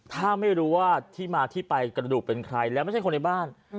ถ้าไม่รู้ว่าที่มาที่ไปกระดูกเป็นใครแล้วไม่ใช่คนในบ้าน